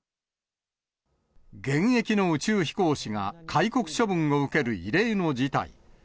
現役の宇宙飛行士が戒告処分を受ける異例の事態。